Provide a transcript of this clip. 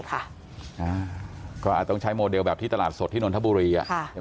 ก็อาจต้องใช้โมเดลแบบที่ตลาดสดที่นนทบุรี